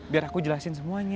biar aku jelasin semuanya